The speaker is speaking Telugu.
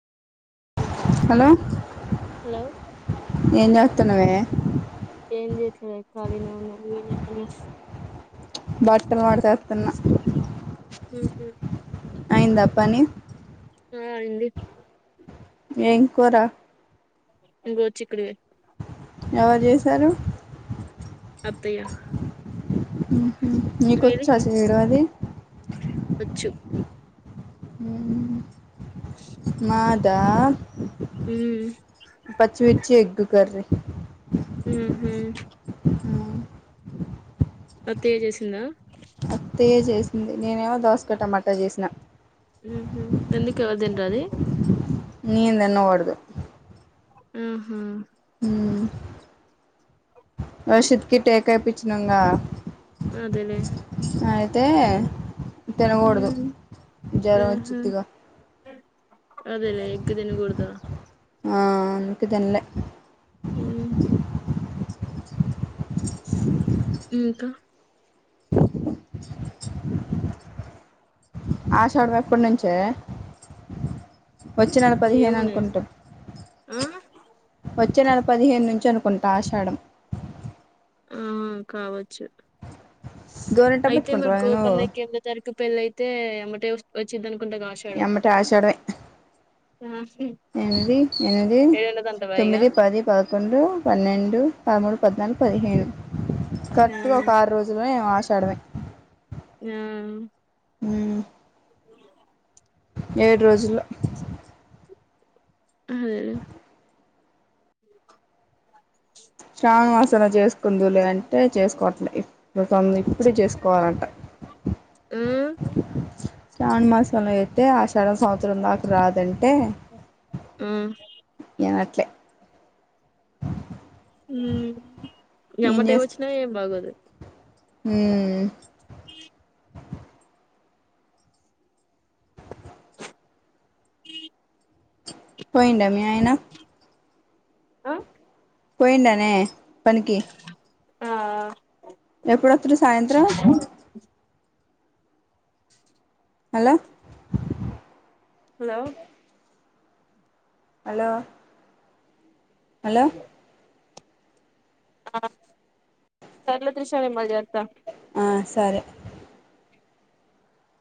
హలో హలో ఏం చేస్తున్నావే ఏం చేయట్లే ఖాళీనే ఉన్నా నువ్వేం చేస్తున్నావ్ బట్టలు మడ్ తెతున్న ఊహు అయింద పని ఆ అయింది ఏం కూర ఈ రోజు చుక్కుడ్ కాయ ఎవర్ చేసారు అత్తయ్య మీది నీకొచ్చా చేయడం అది వచ్చు మాద ఉమ్ పచ్చిమిర్చి ఎగ్ కర్రీ ఊహు అ అత్తయ చేసిందా అత్తయ చేసింది నేనేమో దోసకా టమాట చేసినా ఉహు ఎందుకు ఎవరు తినరాది నేనే దిన్నకూడదు ఆహా వషిత్కి టేకా ఎపిచ్చినంగా అదెలేే అయితే తినకూడదు ఉమ్ జ్వరం ఆహా వచ్చిద్దిగా అదేలే ఎగ్ తినగూడదు అందుకె తిన్లె ఉ ఇంక ఆషాడం ఎప్పటి నుంచే వచ్చే నెల పదిహేను ఏమోనే అనుకుంటా ఆ వచ్చే నెల పదిహేన్ నుంచి అనుకు కుంట ఆషాడం ఆ కావచ్చు గోరింట అయితే మరి పెట్టుకుంటావా నువ్వు గోపన్నకి వినిమిదో తారీక్ పెళ్ళి అయితే ఎమ్మటే వచ్చిందానికి ఎమ్మటె ఆషాడమె ఎనిమిది ఎనిమిది ఏడెనిమిది అంటవా ఇగ తొమ్మిది పది పదకొండు పన్నెండు పదమూడు పద్నాలుగు పదిహేను కరెక్ట్గా ఆ ఒక ఆరు రోజుల్లోను ఆశ షాడమే ఆ ఉమ్ ఉ ఏడ్ రోజుల్లో అదేలె శ్రావణవాసం చేసుకుందు లే అంటే చేసుకోవట్లే మ ఇప్పుడ ఈ చేసుకోవాలంట ఆ శ్రావణ మాసంలో అయితే ఆషాడం సంవత్సరం దాక రాదంటే ఉ నేనట్లే ఎమ్మటె వచ్చిన ఏం బాగోదు హ్మ్ ఈ ఈ పోయిండ మీ ఆయన అ! పోయిడానే పనికి? ఆ ఎప్పుడు వస్తడు సాయంత్రం హలో హలో హలో హలో సర్లే త్రిషా నేన్ మళ్ జేత్త అ సరే